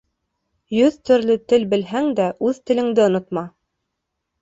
Йөҙ төрлө тел белһәң дә, үҙ телеңде онотма.